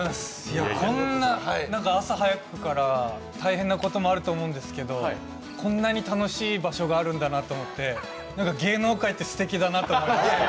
こんな朝早くから大変なこともあると思うんですけど、こんなに楽しい場所があるんだなと思って、芸能界ってすてきだなって思いました。